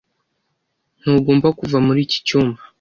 Ntugomba kuva muri iki cyumba.